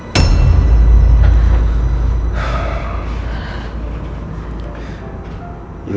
biar gak telat